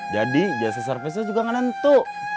jadi biasa servisnya juga gak tentu